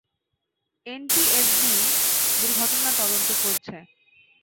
NTSB দুর্ঘটনার তদন্ত করছে।